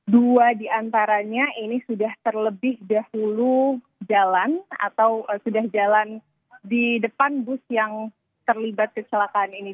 dua diantaranya ini sudah terlebih dahulu jalan atau sudah jalan di depan bus yang terlibat kecelakaan ini